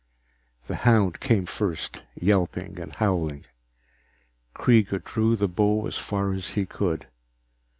The hound came first, yelping and howling. Kreega drew the bow as far as he could.